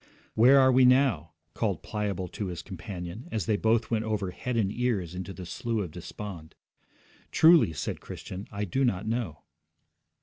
'Where are we now?' called Pliable to his companion, as they both went over head and ears into the Slough of Despond. 'Truly,' said Christian, 'I do not know.'